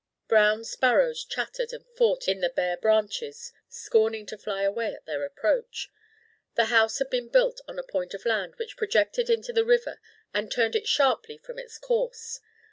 Brown sparrows chattered and fought in the bare branches, scorning to fly away at their approach. The house had been built on a point of land which projected into the river and turned it sharply from its course.